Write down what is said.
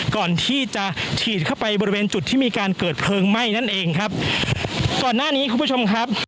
ก่อนที่จะฉีดเข้าไปบริเวณจุดที่มีการเกิดเพลิงไหม้นั่นเองครับก่อนหน้านี้คุณผู้ชมครับ